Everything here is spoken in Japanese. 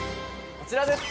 こちらです